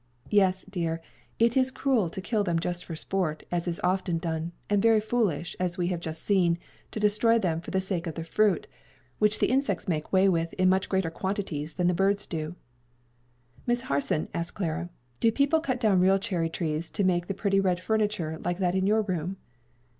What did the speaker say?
"Yes, dear; it is cruel to kill them just for sport, as is often done, and very foolish, as we have just seen, to destroy them for the sake of the fruit, which the insects make way with in much greater quantities than the birds do." "Miss Harson," asked Clara, "do people cut down real cherry trees to make the pretty red furniture like that in your room?"